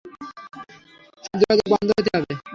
সব যোগাযোগ বন্ধ হতে হবে।